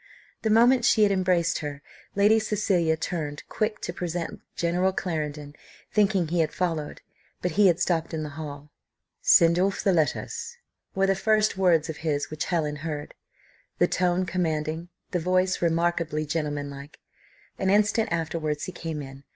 The moment she had embraced her, Lady Cecilia turned quick to present General Clarendon, thinking he had followed, but he had stopped in the hall. "Send off the letters," were the first words of his which Helen heard. The tone commanding, the voice remarkably gentlemanlike. An instant afterwards he came in.